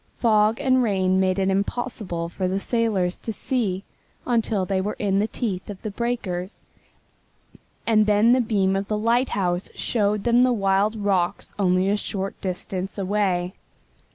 Fog and rain made it impossible for the sailors to see until they were in the teeth of the breakers, and then the beam of the lighthouse showed them the wild rocks only a short distance away.